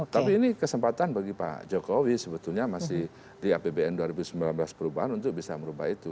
tapi ini kesempatan bagi pak jokowi sebetulnya masih di apbn dua ribu sembilan belas perubahan untuk bisa merubah itu